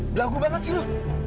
belagu banget sih lo